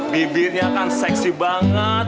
bibirnya kan seksi banget